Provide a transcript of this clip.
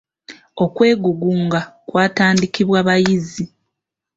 Okwegugunga kwatandikibwa bayizi.